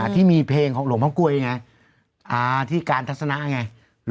ที่มีเพลงของหลวงพ่อกล้วยไงที่การทัศนะไง